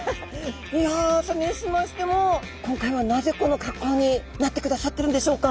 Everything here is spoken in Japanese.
いやそれにしましても今回はなぜこの格好になってくださってるんでしょうか？